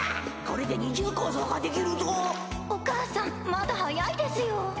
これで二重構造お義母さんまだ早いですよ